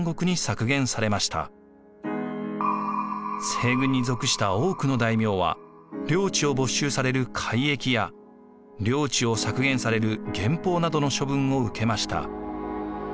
西軍に属した多くの大名は領地を没収される改易や領地を削減される減封などの処分を受けました。